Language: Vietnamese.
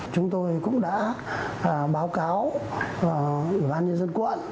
chúng tôi cũng đã báo cáo ủy ban nhân dân quận